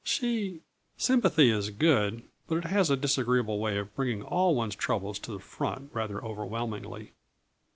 _ She " Sympathy is good, but it has a disagreeable way of bringing all one's troubles to the front rather overwhelmingly.